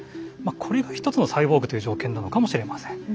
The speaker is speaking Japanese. これが一つのサイボーグという条件なのかもしれません。